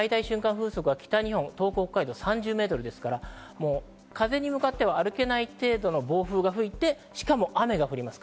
風速は北日本、東北、北海道で３０メートルですから、風に向かって歩けないほどの暴風が吹いて、しかも雨が降ります。